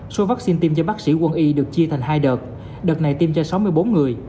các vắc xin tiêm cho bác sĩ quân y được chia thành hai đợt đợt này tiêm cho sáu mươi bốn người